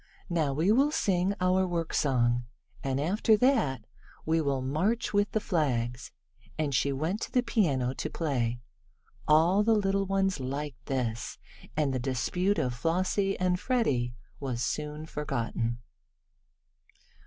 Now we will sing our worksong, and after that we will march with the flags," and she went to the piano to play. All the little ones liked this, and the dispute of Flossie and Freddie was soon forgotten.